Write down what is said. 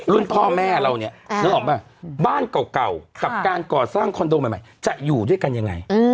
พ่อแม่เราเนี่ยนึกออกป่ะบ้านเก่ากับการก่อสร้างคอนโดใหม่จะอยู่ด้วยกันยังไง